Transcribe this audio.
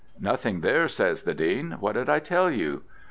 'Nothing there,' says the Dean, 'what did I tell you?